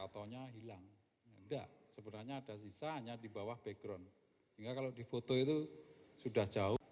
titik terjadinya ini loh